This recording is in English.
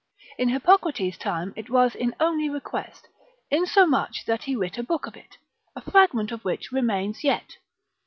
In Hippocrates's time it was in only request, insomuch that he writ a book of it, a fragment of which remains yet.